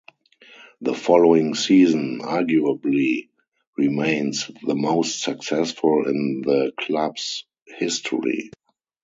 The following season arguably remains the most successful in the club's history.